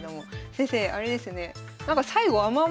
先生あれですよね？